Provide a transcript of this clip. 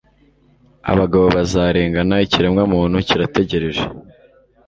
Abagabo bazarengana ikiremwamuntu kirategereje